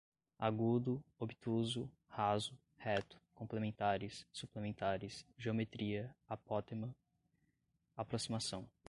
agudo, obtuso, raso, reto, complementares, suplementares, geometria, apótema, aproximação